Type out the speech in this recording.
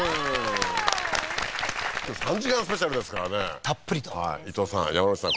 わあー３時間スペシャルですからねたっぷりと伊藤さん山之内さん